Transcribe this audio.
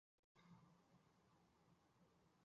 阿达玛斯大学在此地。